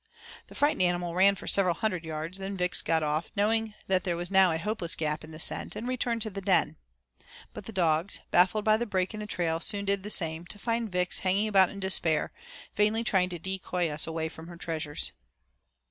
The frightened animal ran for several hundred yards, then Vix got off, knowing that there was now a hopeless gap in the scent, and returned to the den. But the dogs, baffled by the break in the trail, soon did the same, to find Vix hanging about in despair, vainly trying to decoy us away from her treasures.